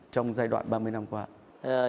trong giai đoạn ba mươi năm qua ạ